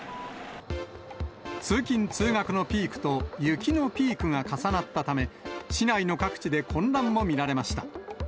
通勤・通学のピークと雪のピークが重なったため、市内の各地で混乱も見られました。